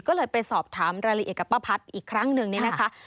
ก็เลยไปสอบถามรายละเอียดกับป้าพัดอีกครั้งหนึ่งเนี่ยนะคะ